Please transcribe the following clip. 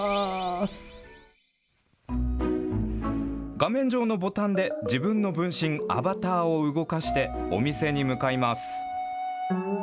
画面上のボタンで自分の分身、アバターを動かして、お店に向かいます。